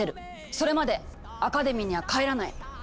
それまでアカデミーには帰らない！